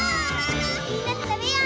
みんなでたべようね。